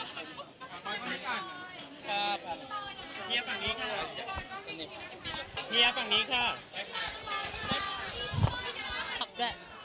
ฟาร์ต